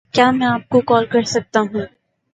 کیا میں آپ کو کال کر سکتا ہوں